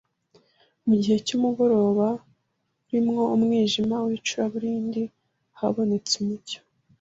Mu gihe cy’umugoroba urimo umwijima w’icuraburindi habonetse umucyo